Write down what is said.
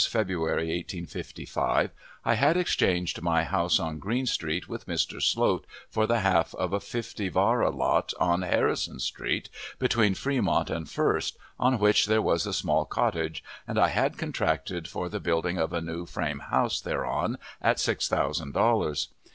February, 1855) I had exchanged my house on Green, street, with Mr. Sloat, for the half of a fifty vara lot on Harrison Street, between Fremont and First, on which there was a small cottage, and I had contracted for the building of a new frame house thereon, at six thousand dollars.